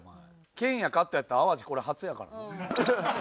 「ケンヤ」がカットやったら淡路これ初やからな。